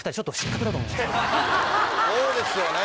そうですよね。